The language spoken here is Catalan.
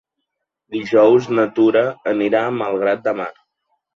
Dijous na Tura anirà a Malgrat de Mar.